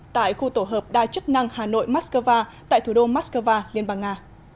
tại khu tổ hợp đa chức năng hà nội mắc cơ va tại thủ đô mắc cơ va liên bang nga